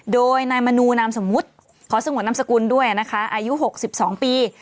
โดยนายมนูนามสมมุติขอสงวนนามสกุลด้วยนะคะอายุ๖๒ปี